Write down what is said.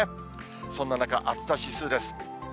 そんな中、暑さ指数です。